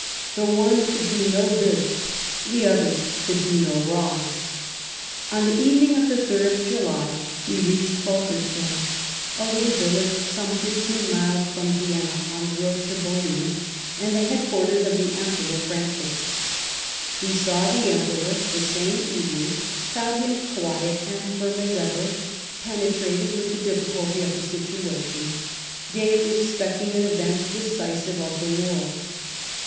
The one could do no good, the others could do no wrong. On the evening of the ord (July), he reached Wolkers THE WAB OF 1809. 49 (lorf, a little villa,2:e some fifteen miles from Vienna, on the road to Briinn, and the headquarters of the Emperor Francis. He saw the Emperor the same evening, found him "quiet and firm as ever, penetrated with the difficulty of the situation," daily expecting an event decisive of the " war."